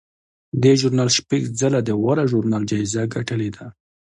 دې ژورنال شپږ ځله د غوره ژورنال جایزه ګټلې ده.